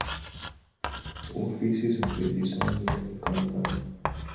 Woofiisi zaffe zisangibwa mu Kampala.